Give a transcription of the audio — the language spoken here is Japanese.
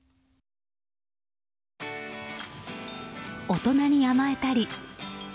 大人に甘えたり。